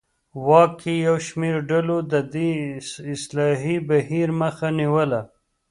واک کې یو شمېر ډلو د دې اصلاحي بهیر مخه نیوله.